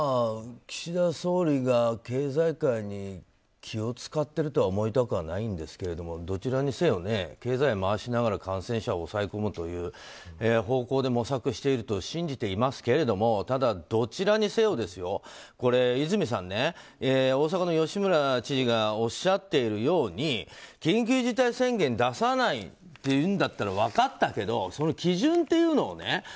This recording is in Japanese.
岸田総理が経済界に気を使ってるとは思いたくはないんですけれどもどちらにせよ経済を回しながら感染者を抑え込むという方向で模索していると信じていますけどただ、どちらにせよ、和泉さん大阪の吉村知事がおっしゃっているように緊急事態宣言出さないっていうんだったら分かったけどその基準っていうのをね